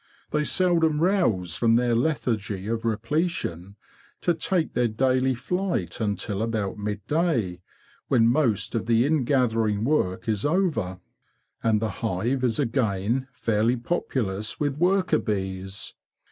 They seldom rouse from their lethargy of repletion to THE KING'S BEE MASTER 151 take their daily flight until about midday, when most of the ingathering work is over, and the hive is again fairly populous with worker bees.